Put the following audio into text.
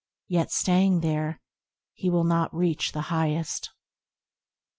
Yet, staying there, he will not reach the Highest.